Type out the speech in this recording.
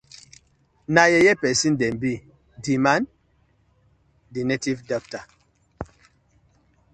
Na yeye pesin dem bi, di man dey native dokta.